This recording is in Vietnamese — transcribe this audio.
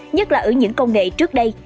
nhất là ở những công nghệ trước đây